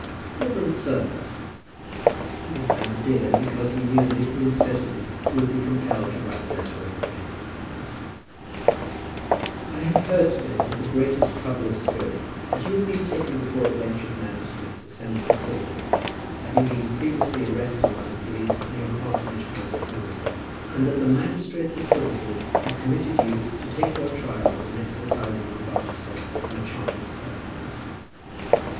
REVEREND SIR, [he left out the dear, because he knew that if he inserted it he would be compelled to write the letter over again] I have heard to day with the greatest trouble of spirit, that you have been taken before a bench of magistrates assembled at Silverbridge, having been previously arrested by the police in your parsonage house at Hogglestock, and that the magistrates of Silverbridge have committed you to take your trial at the next assizes at Barchester, on a charge of theft.